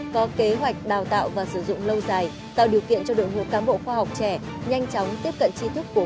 có kế hoạch đào tạo và sử dụng lâu dài tạo điều kiện cho đội ngũ cán bộ khoa học trẻ nhanh chóng tiếp cận chi thức của khu vực và thế giới